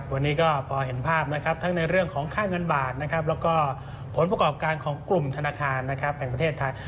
วันนี้ก็พอเห็นภาพทั้งในเรื่องของค่าเงินบาทและผลประกอบการของกลุ่มธนาคารแปลงประเทศไทย